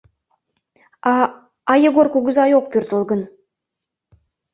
— А... а Егор кугызай ок пӧртыл гын?